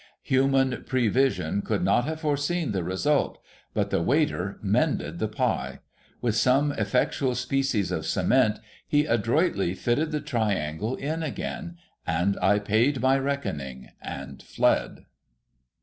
Human prevision could not have foreseen the result — but the waiter mended the pie. 'With some effectual species of cement, he adroitly fitted the triangle in again, and I paid my reckoning and fled.